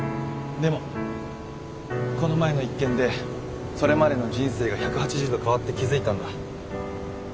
でもこの前の一件でそれまでの人生が１８０度変わって気付いたんだ。